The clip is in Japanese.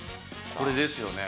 これですよね？